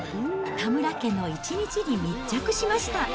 田村家の一日に密着しました。